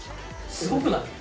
すごくない？